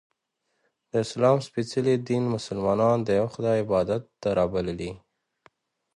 د اسلام څپېڅلي دین ملسلمانان د یوه خدایﷻ عبادت ته رابللي